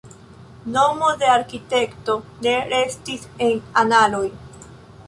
Nomo de arkitekto ne restis en analoj.